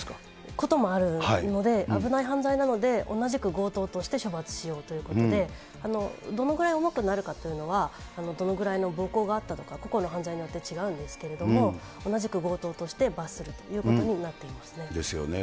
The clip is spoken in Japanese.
こともあるので、危ない犯罪なので、同じく強盗として処罰しようということで、どのぐらい重くなるかっていうのは、どのぐらいの暴行があったのか、個々の犯罪によって違うんですけれども、同じく強盗として罰するというこですよね。